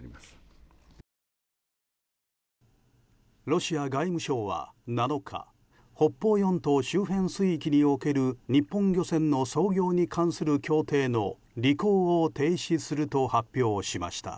ロシア外務省は７日北方四島周辺水域における日本漁船の操業に関する協定の履行を停止すると発表をしました。